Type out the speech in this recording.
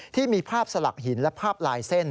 ที่มีภาพสลักหินและภาพลายเส้น